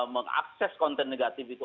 mengakses konten negatif itu